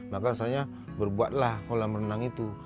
maka saya berbuatlah kolam renang itu